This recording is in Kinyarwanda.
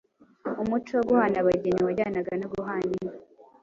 Umuco wo guhana abageni wajyanaga no guhana inka.